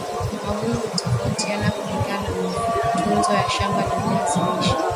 mavuno hutofautiana kulingana matunzo ya shamba la viazi lishe